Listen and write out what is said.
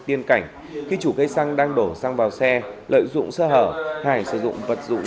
tiên cảnh khi chủ cây xăng đang đổ xăng vào xe lợi dụng sơ hở hải sử dụng vật dụng